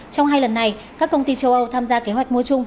trong hai lần này các công ty châu âu tham gia kế hoạch mua chung